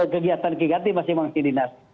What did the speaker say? kegiatan keganti masing masing dinas